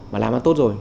mà làm ăn tốt rồi